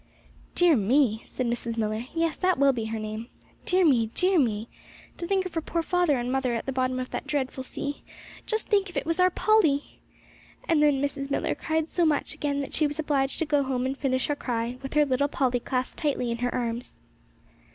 'Dear me!' said Mrs. Millar. 'Yes, that will be her name. Dear me, dear me; to think of her poor father and mother at the bottom of that dreadful sea! Just think if it was our Polly!' And then Mrs. Millar cried so much again that she was obliged to go home and finish her cry with her little Polly clasped tightly in her arms.